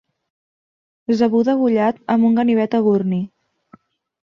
Zebú degollat amb un ganivet eburni.